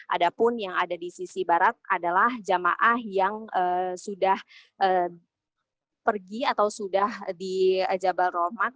ada pun yang ada di sisi barat adalah jamaah yang sudah pergi atau sudah di jabal rahmat